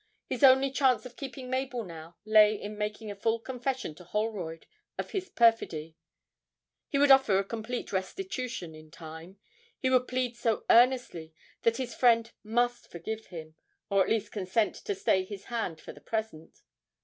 His only chance of keeping Mabel now lay in making a full confession to Holroyd of his perfidy; he would offer a complete restitution in time. He would plead so earnestly that his friend must forgive him, or at least consent to stay his hand for the present.